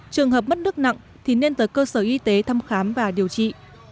trường hợp mất nước nặng thì nên tới cơ sở y tế thăm khám và điều trị